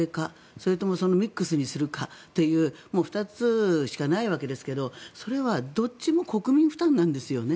それともミックスにするかという２つしかないわけですけどそれはどっちも国民負担なんですよね。